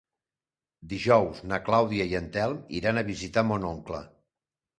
Dijous na Clàudia i en Telm iran a visitar mon oncle.